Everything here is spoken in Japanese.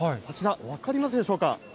こちら、分かりますでしょうか。